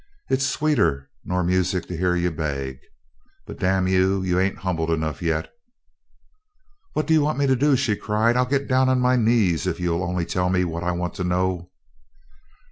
It's sweeter nor music to hear you beg. But, damn you, you ain't humble enough yet!" "What do you want me to do?" she cried. "I'll I'll get down on my knees, if only you'll tell me what I want to know!"